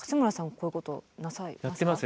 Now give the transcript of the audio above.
こういうことなさってますか？